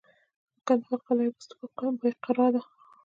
د کندهار قلعه بست د بایقرا ده